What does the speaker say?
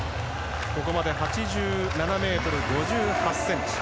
ここまで８７ｍ５８ｃｍ。